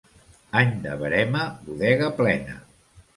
Any de verema, bodega plena.